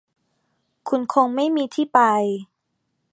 คุณคงไม่มีที่ไป